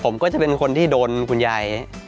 ก็จะเป็นคนที่โดนคุณยาย